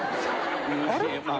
あれ？